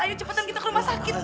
ayo cepetan kita ke rumah sakit